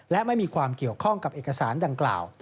และไม่มีความเกี่ยวข้องกับเอกสารดังกล่าว